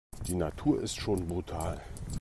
Die Natur ist schon brutal.